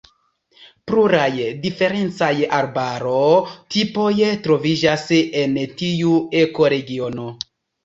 Pluraj diferencaj arbaro-tipoj troviĝas en tiu ekoregiono.